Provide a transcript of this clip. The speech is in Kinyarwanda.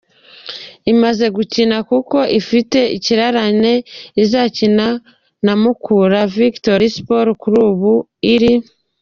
imaze gukina kuko ifite ikirarane izakina na Mukura Victory Sport kuri ubu iri